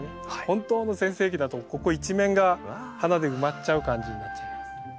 本当の全盛期だとここ一面が花で埋まっちゃう感じになっちゃいます。